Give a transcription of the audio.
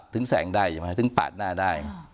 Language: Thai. ถึงแสงได้ถึงปากหน้าได้